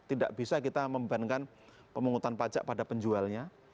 tidak bisa kita membebankan pemungutan pajak pada penjualnya